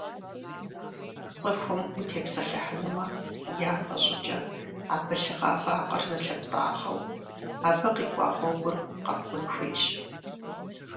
Цӏыхум утепсэлъыхьынумэ, япэ щӏыкӏэ абы лъыгъа вакъэр зылъыптӏагъэу, абы къикӏуа гъуэгур къэпкӏун хуейщ.